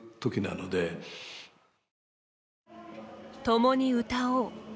「共に歌おう」。